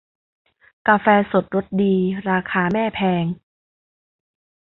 กาแฟสดรสดีราคาแม่แพง